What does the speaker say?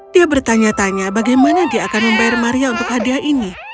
dia bertanya tanya bagaimana dia akan membayar maria untuk hadiah ini